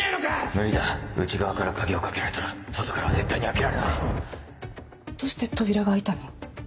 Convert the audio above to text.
無理だ内側から鍵を掛けられたら外からは絶対に開けられないどうして扉が開いたの？